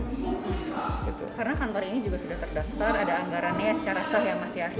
karena kantor ini juga sudah terdaftar ada anggarannya secara sah ya mas yahya